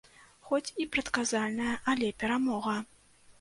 Хоць і прадказальная, але перамога.